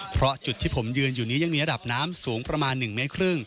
เพราะจุดที่ผมยืนอยู่นี้ยังมีระดับน้ำสูงประมาณ๑เมตรครึ่ง